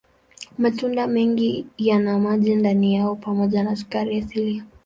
Matunda mengi yana maji ndani yao pamoja na sukari asilia.